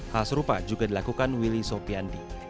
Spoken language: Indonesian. hal serupa juga dilakukan willy sopiandi